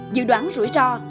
dự đoán rủi ro